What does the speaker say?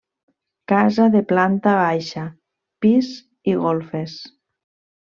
Casa de planta baixa, pis i golfes.